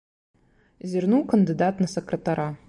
Зірнуў кандыдат на сакратара.